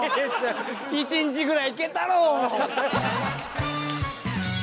１日ぐらいいけたろう！